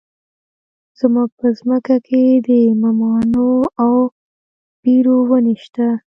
زموږ په ځمکه کې د مماڼو او بیرو ونې شته.